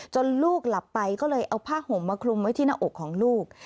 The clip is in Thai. ลูกหลับไปก็เลยเอาผ้าห่มมาคลุมไว้ที่หน้าอกของลูก